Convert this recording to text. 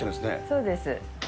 そうです。